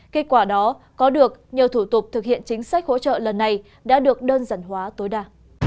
kết quả đó có được nhờ thủ tục thực hiện chính sách hỗ trợ lần này đã được đơn giản hóa tối đa